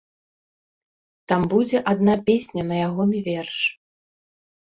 Там будзе адна песня на ягоны верш.